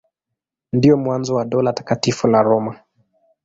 Ndio mwanzo wa Dola Takatifu la Roma.